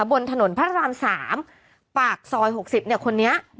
บนถนนพระราม๓ปากซอย๖๐เนี่ยคนนี้